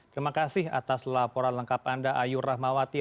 terima kasih atas laporan lengkap anda ayu rahmawati